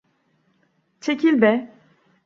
Çekil be!